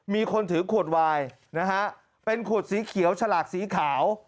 มีคนถือขวดวายนะฮะเป็นขวดสีเขียวฉลากสีขาว